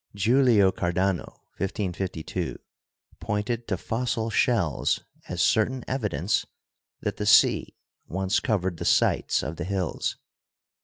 Giulio Cardano (1552) pointed to fossil shells as cer tain evidence that the sea once covered the sites of the hills.